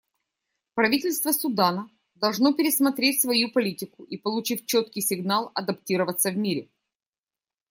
Правительство Судана должно пересмотреть свою политику и, получив четкий сигнал, адаптироваться в мире.